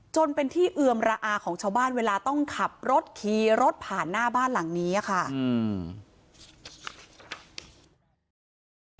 จนเป็นที่เอือมระอาของชาวบ้านเวลาต้องขับรถขี่รถผ่านหน้าบ้านหลังนี้ค่ะอืม